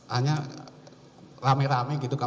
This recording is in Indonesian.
hanya rame rame gitu